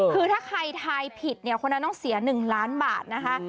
คือถ้าใครทายผิดเนี่ยคนนั้นต้องเสีย๑ล้านบาทนะคะ